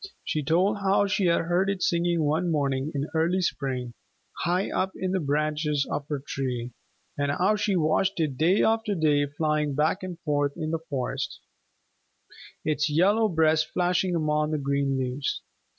She told how she had heard it singing one morning in early spring, high up in the branches of her tree, and how she had watched it day after day flying back and forth in the forest, its yellow breast flashing among the green leaves.